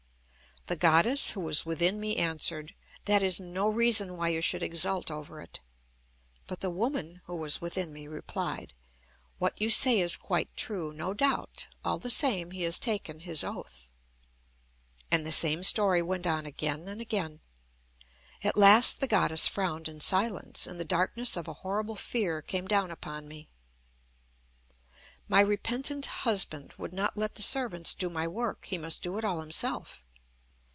The Goddess, who was within me, answered: "That is no reason why you should exult over it." But the woman, who was within me, replied: "What you say is quite true, no doubt; all the same he has taken his oath." And the same story went on again and again. At last the Goddess frowned in silence, and the darkness of a horrible fear came down upon me. My repentant husband would not let the servants do my work; he must do it all himself.